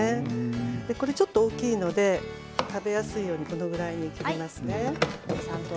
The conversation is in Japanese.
これはちょっと大きいので食べやすいようにこのぐらいに切りますね。